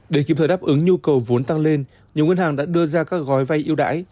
để kiếm thời đáp ứng nhu cầu vốn tăng lên nhiều nguyên hàng đã đưa ra các gói vai yêu đải